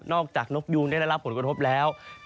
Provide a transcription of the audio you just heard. จากนกยูงได้รับผลกระทบแล้ว